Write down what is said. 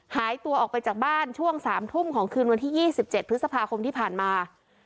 หายตัวออกไปจากบ้านช่วง๓ทุ่มของคืนวันที่๒๗พฤษภาคมที่ผ่านมา